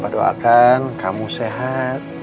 papa doakan kamu sehat